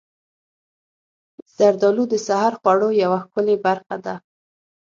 زردالو د سحر خوړو یوه ښکلې برخه ده.